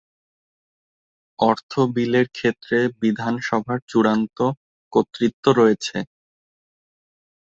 অর্থ বিলের ক্ষেত্রে বিধানসভার চূড়ান্ত কর্তৃত্ব রয়েছে।